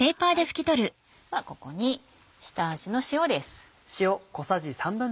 ではここに下味の塩です。